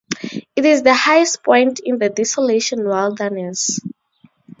It is the highest point in the Desolation Wilderness.